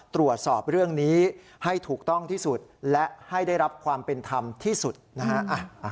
ตรวจสอบเรื่องนี้ให้ถูกต้องที่สุดและให้ได้รับความเป็นธรรมที่สุดนะฮะ